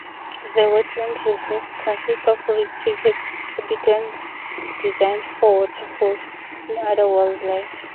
The Wetland Reserve consists of re-created habitats designed for water fowls and other wildlife.